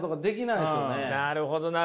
なるほど。